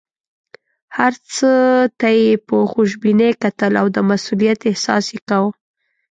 هر څه ته یې په خوشبینۍ کتل او د مسوولیت احساس یې کاوه.